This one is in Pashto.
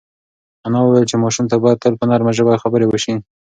انا وویل چې ماشوم ته باید تل په نرمه ژبه خبرې وشي.